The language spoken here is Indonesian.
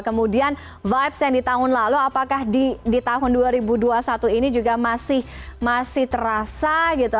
kemudian vibes yang di tahun lalu apakah di tahun dua ribu dua puluh satu ini juga masih terasa gitu